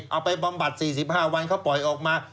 บำบัด๔๕วันเขาปล่อยออกมา